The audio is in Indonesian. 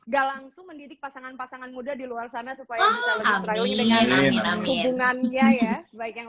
galang mendidik pasangan pasangan muda di luar sana supaya lebih baik yang